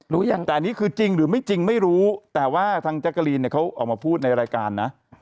รู้ยังแต่อันนี้คือจริงหรือไม่จริงไม่รู้แต่ว่าทางแจ๊กกะลีนเนี่ยเขาออกมาพูดในรายการนะ